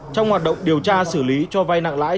trong hoạt động điều tra xử lý cho vay nặng lãi